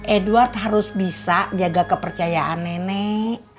edward harus bisa jaga kepercayaan nenek